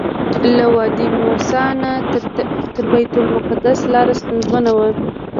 له وادي موسی نه تر بیت المقدسه لاره ستونزمنه وه.